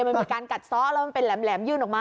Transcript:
มันมีการกัดซ้อแล้วมันเป็นแหลมยื่นออกมา